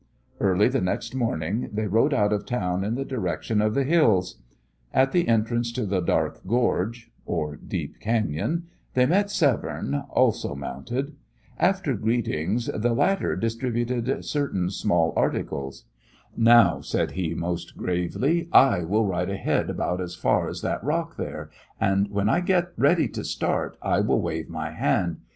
Early the next morning, they rode out of town in the direction of the hills. At the entrance to the dark gorge or deep cañon they met Severne, also mounted. After greetings, the latter distributed certain small articles. "Now," said he, most gravely, "I will ride ahead about as far as that rock there, and when I get ready to start, I will wave my hand.